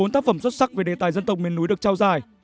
một mươi bốn tác phẩm xuất sắc về đề tài dân tộc miền núi được trao giải